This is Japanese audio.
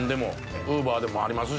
ウーバーでもありますし。